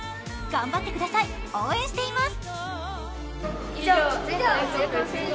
頑張ってください、応援しています